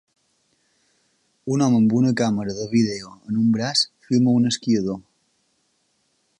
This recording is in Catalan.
un home amb una càmera de vídeo en un braç filma un esquiador.